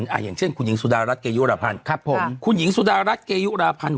อย่างเช่นคุณหญิงสุดารัฐเกยุราพันธุ์